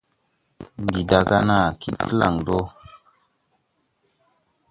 Ndi daaga naa ɗii klaŋdɔ.